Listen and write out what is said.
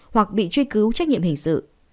hoặc bị truy cứu trách nhiệm hình sự